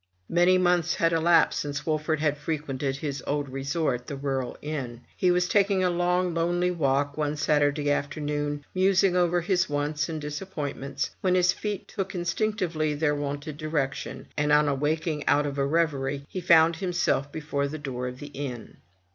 Many months had elapsed since Wolfert had frequented his old resort, the rural inn. He was taking a long lonely walk one Saturday afternoon, musing over his wants and disappointments, when his feet took instinctively their wonted direction, and on awaking out of a reverie, he found himself before the door of the inn.